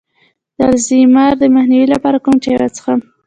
د الزایمر د مخنیوي لپاره کوم چای وڅښم؟